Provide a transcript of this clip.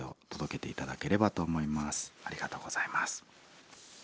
ありがとうございます。